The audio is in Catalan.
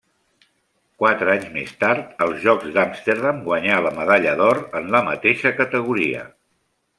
Quatre anys més tard, als Jocs d'Amsterdam, guanyà la medalla d'or en la mateixa categoria.